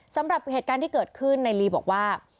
สำหรับเหตุการณ์ที่เกิดขึ้นในลีบอกว่า